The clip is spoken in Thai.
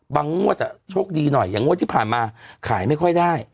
งวดโชคดีหน่อยอย่างงวดที่ผ่านมาขายไม่ค่อยได้